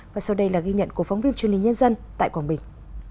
và sau đây là ghi nhận của phóng viên truyền hình nhân dân tại quảng bình